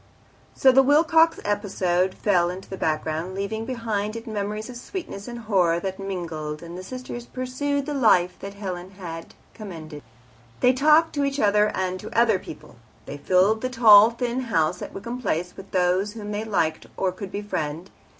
So the Wilcox episode fell into the background, leaving behind it memories of sweetness and horror that mingled, and the sisters pursued the life that Helen had commended. They talked to each other and to other people, they filled the tall thin house at Wickham Place with those whom they liked or could befriend.